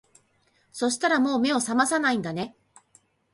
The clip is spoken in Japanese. そしたらもう目を覚まさないんだね